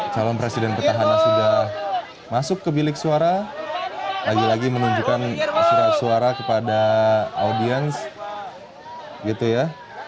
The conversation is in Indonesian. calon presiden petahana sudah masuk ke bilik suara lagi lagi menunjukkan surat suara kepada audiens gitu ya